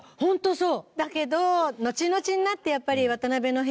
そう。